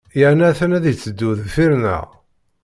Yerna a-t-an ad d-itteddu deffir-nneɣ.